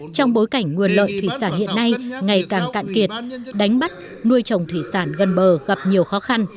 trong bối cảnh nguồn lợi thủy sản hiện nay ngày càng cạn kiệt đánh bắt nuôi trồng thủy sản gần bờ gặp nhiều khó khăn